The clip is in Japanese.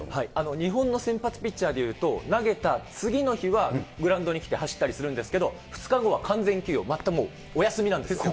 日本のピッチャーっていうのは投げた次の日はグラウンドに来て走ったりするんですけど、２日後は完全休養、全くお休みなんですよね。